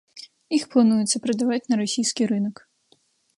Іх плануецца прадаваць на расійскі рынак.